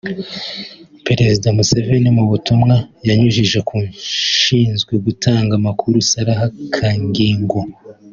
Perezida Museveni mu butumwa yanyujije k’ushinzwe gutanga amakuru Sarah Kagingo